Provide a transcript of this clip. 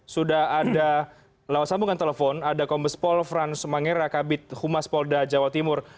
sudah ada lalu sambungkan telepon ada kompes pol frans manger rakabit humas polda jawa timur